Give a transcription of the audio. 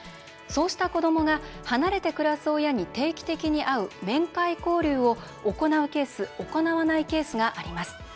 そうした子どもが離れて暮らす親に定期的に会う面会交流を行うケースが行わないケースがあります。